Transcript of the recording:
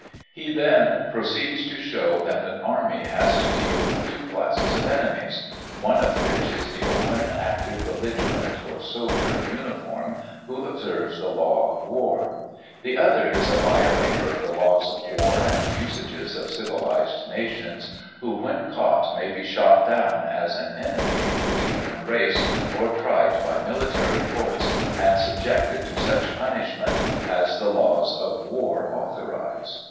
He then proceeds to show that an army has to deal with two classes of ene mies, one of which is the open active belligerent or soldier in uniform, who observes the law of war; the other is a violator of the laws of war, and usages of civilized nations, who, when caught, may be shot down as an enemy to tbe human race, or tried by military courts and subjected to such punishment as the laws of war authorize.